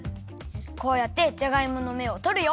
こうやってじゃがいものめをとるよ。